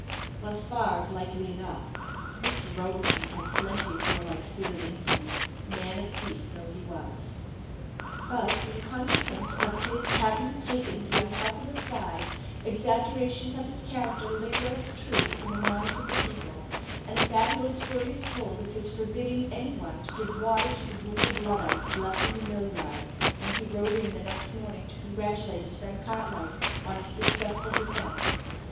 Thus far is likely enough. Mr. Roberson had plenty of warlike spirit in him, man of peace though he was. But, in consequence of his having taken the unpopular side, exaggerations of his character linger as truth in the minds of the people; and a fabulous story is told of his forbidding any one to give water to the wounded Luddites, left in the mill yard, when he rode in the next morning to congratulate his friend Cartwright on his successful defence.